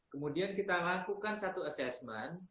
kemudian kita lakukan satu assessment